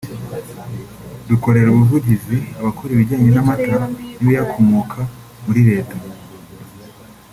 dukorera ubuvugizi abakora ibijyanye n’amata n’ibiyakomoka muri Leta